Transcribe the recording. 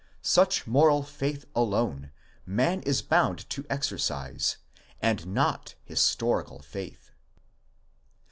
Such moral faith alone man is bound to exercise, and not historical faith.